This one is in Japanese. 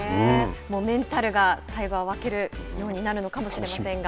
メンタルが最後は分けるようになるのかもしれません。